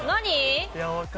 何？